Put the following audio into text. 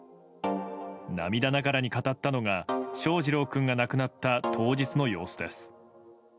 涙ながらに語ったのが翔士郎君が亡くなった当日の様子です。